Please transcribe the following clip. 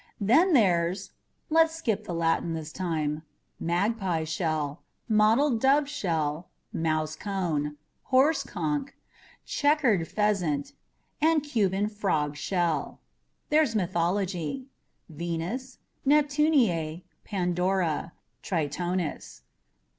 Then there's (let's skip the Latin this time) Magpie Shell, Mottled Dove Shell, Mouse Cone, Horse Conch, Checkered Pheasant, and Cuban Frog Shell. There's mythology: Venus, Neptunea, Pandora, Tritonis.